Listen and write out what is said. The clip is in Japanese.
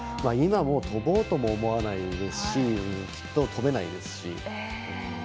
今はもう飛ぼうとも思わないですしきっと飛べないですし。